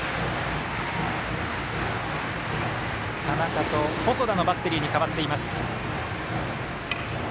田中と細田のバッテリーに代わっています。